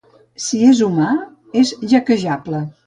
Si és humà, és hackejable